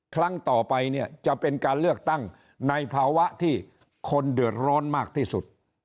ครั้งต่อไปเนี่ยจะเป็นการเลือกตั้งในภาวะที่คนเดือดร้อนมากที่สุด